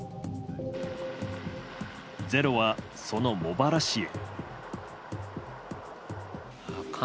「ｚｅｒｏ」は、その茂原市へ。